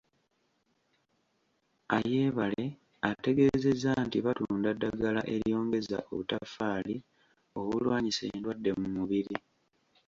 Ayebare ategeezezza nti batunda ddagala eryongeza obutafaali obulwanyisa endwadde mu mubiri.